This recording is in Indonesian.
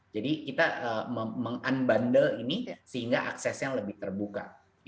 jadi kita meng unbundle ini sehingga aksesnya lebih terbuka